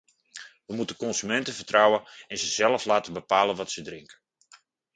We moeten consumenten vertrouwen en ze zelf laten bepalen wat ze drinken.